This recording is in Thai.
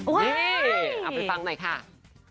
ปล่อยฟังหน่อยกัน